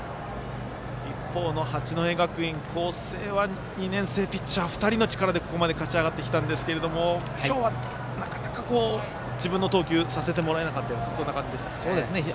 一方の八戸学院光星は２年生ピッチャー２人の力で、ここまで勝ち上がってきたんですけれども今日はなかなか自分の投球をさせてもらえなかった感じですね。